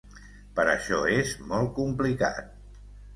Per això és molt complicat.